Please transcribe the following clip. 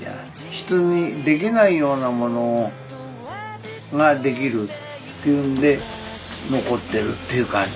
人にできないようなものができるっていうんで残ってるっていう感じ。